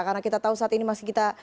karena kita tahu saat ini masih kita